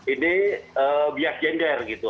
ini biak gender gitu